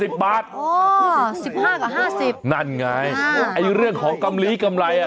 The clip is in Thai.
โอ้ย๑๕กับ๕๐นั่นไงไอ่เรื่องของกำลีกำไรอ่ะ